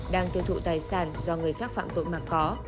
đang tiêu thụ tài sản do người khác phạm tội mà có